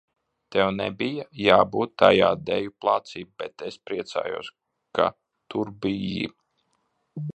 Tev nebija jābūt tajā deju placī, bet es priecājos, ka tur biji.